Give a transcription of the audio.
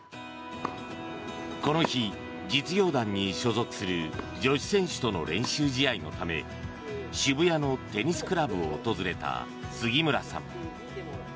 この日、実業団に所属する女子選手との練習試合のため渋谷のテニスクラブを訪れた杉村さん。